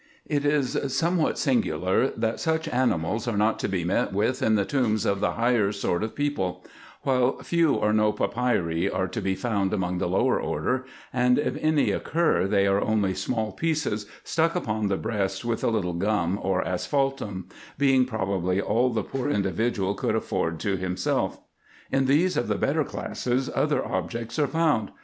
It is somewhat singular that such animals are not to be met with in the tombs of the higher sort of people ; while few or no papyri are to be found among the lower order, and if any occur they are only small pieces stuck upon the breast with a little gum or asphaltum, being probably all that the poor individual could afford to himself. In those of the better classes other objects are found.